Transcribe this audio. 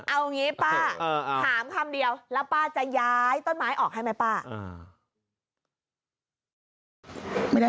เอางี้ป้าถามคำเดียวแล้วป้าจะย้ายต้นไม้ออกให้ไหมป้า